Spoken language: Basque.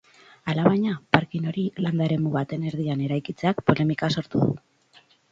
Alabaina, parking hori landa-eremu baten erdian eraikitzeak polemika sortu du.